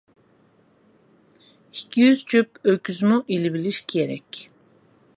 ئىككى يۈز جۈپ ئۆكۈزمۇ ئېلىۋېلىش كېرەك.